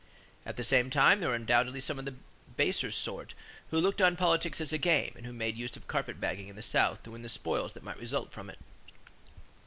At the same time there were undoubtedly some men of the baser sort who looked on politics as a game and who made use of "carpet bagging" in the South to win the spoils that might result from it.